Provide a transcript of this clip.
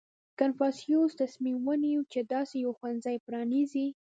• کنفوسیوس تصمیم ونیو، چې داسې یو ښوونځی پرانېزي.